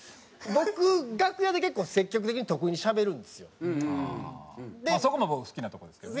僕楽屋で結構そこも僕好きなとこですけどね。